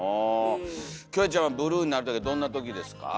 キョエちゃんはブルーになるときはどんなときですか？